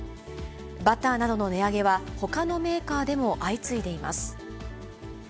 バターなどの値上げは、ほかのメーカーでも相次いでいます。